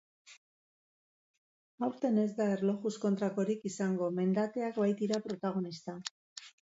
Aurten ez da erlojuz kontrakorik izango, mendateak baitira protagonista.